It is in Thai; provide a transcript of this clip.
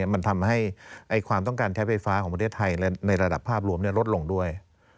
มันทำให้ความต้องการใช้ไฟฟ้าของประเทศไทยและในระดับภาพรวมลดลงด้วย